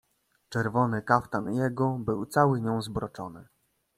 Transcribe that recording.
"Czerwony kaftan jego był cały nią zbroczony."